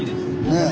ねえ。